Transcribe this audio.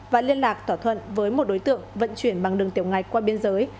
và liên lạc tỏa thuận với một đối tượng vận chuyển bằng đường tiểu ngạch qua biên giới